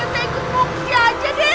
mendingan saya ikut moksi aja deh